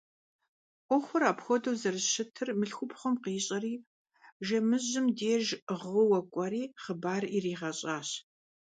'Uexur apxuedeu zerışıtır mılhxupxhum khışiş'em, jjemıjım dêjj ğıue k'ueri xhıbar yiriğeş'aş.